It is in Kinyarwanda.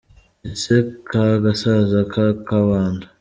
Ese kagasaza ka kabando